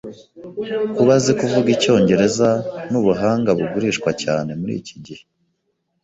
Kuba azi kuvuga icyongereza nubuhanga bugurishwa cyane muri iki gihe.